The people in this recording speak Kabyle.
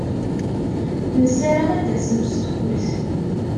Nessaram ad d-tasem s tuget.